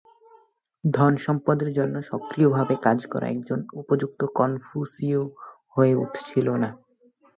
ধনসম্পদের জন্য সক্রিয়ভাবে কাজ করা একজন উপযুক্ত কনফুসীয় হয়ে উঠছিল না।